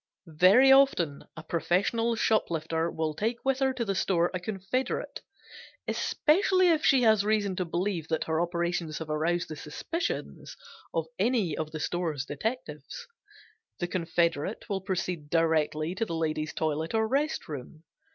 Very often a professional shoplifter will take with her to a store a confederate, especially if she has reason to believe that her operations have aroused the suspicions of any of the store's detectives. The confederate will proceed directly to the ladies' toilet or rest room.